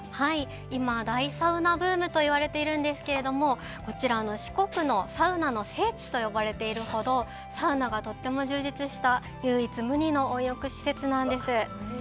今、大サウナブームと言われているんですがこちら、四国のサウナの聖地と呼ばれているほどサウナがとても充実した唯一無二の温浴施設なんです。